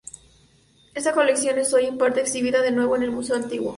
Esta colección es hoy en parte exhibida de nuevo en el Museo Antiguo.